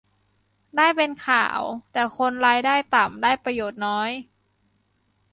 ได้เป็นข่าว แต่คนรายได้ต่ำได้ประโยชน์น้อย